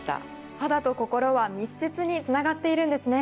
肌と心は密接につながっているんですね。